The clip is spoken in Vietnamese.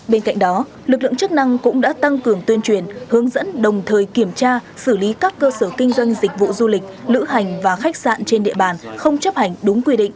bên cạnh đó lực lượng chức năng cũng đã tăng cường tuyên truyền hướng dẫn đồng thời kiểm tra xử lý các cơ sở kinh doanh dịch vụ du lịch lữ hành và khách sạn trên địa bàn không chấp hành đúng quy định